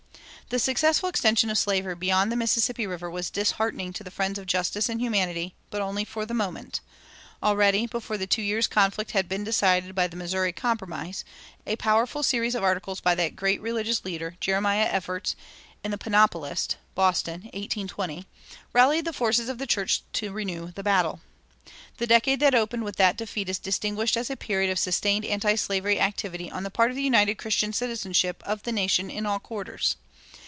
The successful extension of slavery beyond the Mississippi River was disheartening to the friends of justice and humanity, but only for the moment. Already, before the two years' conflict had been decided by "the Missouri Compromise," a powerful series of articles by that great religious leader, Jeremiah Evarts, in the "Panoplist" (Boston, 1820), rallied the forces of the church to renew the battle. The decade that opened with that defeat is distinguished as a period of sustained antislavery activity on the part of the united Christian citizenship of the nation in all quarters.